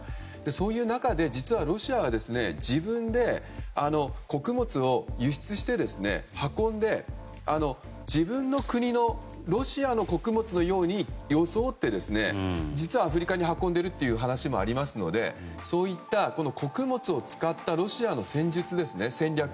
そういう中で実はロシアは自分で穀物を輸出して運んで自分の国のロシアの穀物のように装って実はアフリカに運んでいるという話もありますのでそういった穀物を使ったロシアの戦術、戦略